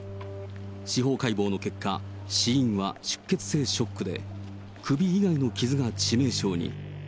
司法解剖の結果、死因は出血性ショックで、首以外の傷が致命傷に。